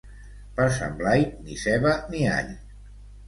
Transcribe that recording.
Per Sant Blai, ni ceba ni all.